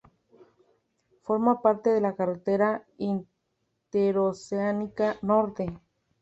Forma parte de la "carretera Interoceánica Norte".